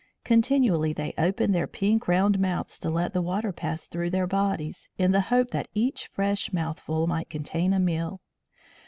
Continually they opened their pink, round mouths to let the water pass through their bodies, in the hope that each fresh mouthful might contain a meal.